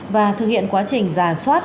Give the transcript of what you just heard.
và thực hiện quá trình giả soát